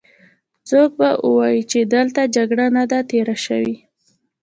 څوک به وايې چې دلته جګړه نه ده تېره شوې.